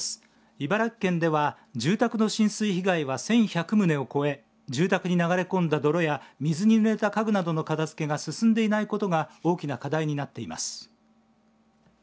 茨城県では住宅の浸水被害は１１００棟を超え住宅に流れ込んだ泥や水にぬれた家具などの片づけが進んでいないことが大きな課題になっています。